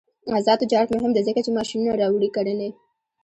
آزاد تجارت مهم دی ځکه چې ماشینونه راوړي کرنې.